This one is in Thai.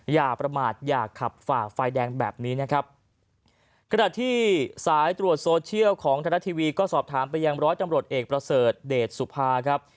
อย่าประมาทอย่าขับฝ่าไฟแดงแบบนี้นะครับขณะที่สายตรวจโซเชียลของไทยรัฐทีวีก็สอบถามไปยังร้อยจำรวจเอกประเสริฐเดชสุภาครับ